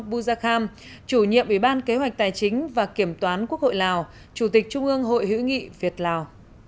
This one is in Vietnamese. busa kham chủ nhiệm ủy ban kế hoạch tài chính và kiểm toán quốc hội lào chủ tịch trung ương hội hữu nghị việt lào